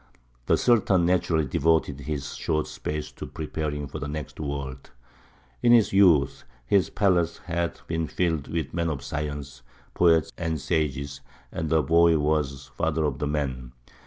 The Sultan naturally devoted this short space to preparing for the next world. In his youth his palace had been filled with men of science, poets, and sages; and the boy was father of the man.